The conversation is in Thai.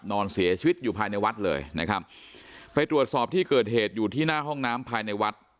นอนเสียชีวิตอยู่ภายในวัดเลยนะครับไปตรวจสอบที่เกิดเหตุอยู่ที่หน้าห้องน้ำภายในวัด